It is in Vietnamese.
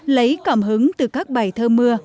lấy cảm hứng từ các bài thơ mưa